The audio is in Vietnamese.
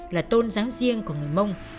là tôn giáng riêng của người mông